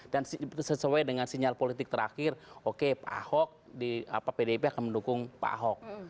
dan sesuai dengan sinyal politik terakhir oke pak ahok pdip akan mendukung pak ahok